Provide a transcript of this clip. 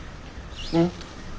うん？